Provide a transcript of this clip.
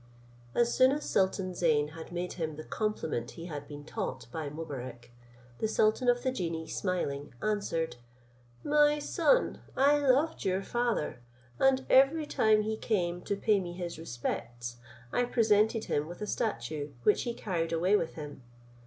As soon as sultan Zeyn had made him the compliment he had been taught by Mobarec, the sultan of the genii smiling, answered, "My son, I loved your father, and every time he came to pay me his respects, I presented him with a statue, which he carried away with him.